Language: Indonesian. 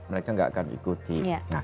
mereka tidak akan ikuti